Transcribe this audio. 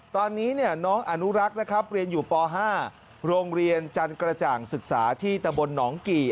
ตอนนี้น้องอนุรักษ์นะครับเรียนอยู่ป๕โรงเรียนจันกระจ่างศึกษาที่ตะบนหนองกี่